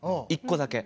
１個だけ。